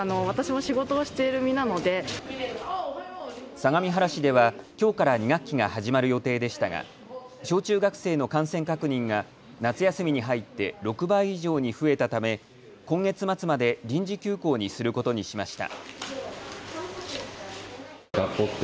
相模原市ではきょうから２学期が始まる予定でしたが小中学生の感染確認が夏休みに入って６倍以上に増えたため今月末まで臨時休校にすることにしました。